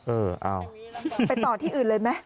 เออเอาไปต่อที่อื่นเลยไหม